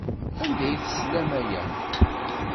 Anda ay teslam aya?